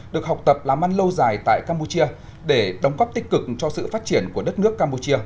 được học tập làm ăn lâu dài tại campuchia để đóng góp tích cực cho sự phát triển của đất nước campuchia